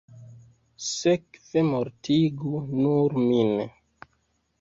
Sekve, mortigu nur min.